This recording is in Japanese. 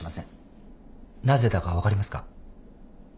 なぜだか分かりますか？